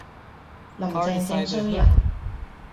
林鄭正衰人